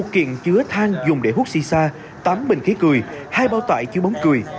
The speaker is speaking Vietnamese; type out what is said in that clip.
một kiện chứa thang dùng để hút si sa tám bình khí cười hai báo tải chứa bóng cười